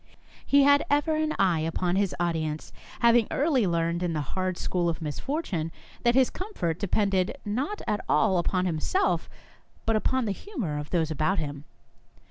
He had ever an eye upon his audience, having early learned in the hard school of misfortune that his comfort depended not at all upon him self, but upon the humour of those about him.